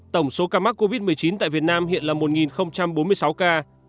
tổng số ca mắc covid một mươi chín tại việt nam hiện là một bốn mươi sáu ca